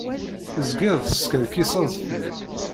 Tezgiḍ teskerkiseḍ fell-i.